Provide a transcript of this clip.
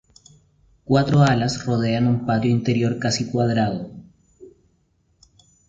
Cuatro alas rodean un patio interior casi cuadrado.